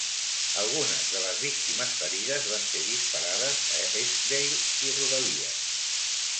Algunes de les víctimes ferides van ser disparades a Eskdale i rodalies.